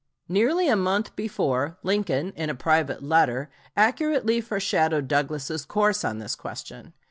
Nearly a month before, Lincoln in a private letter accurately foreshadowed Douglas's course on this question.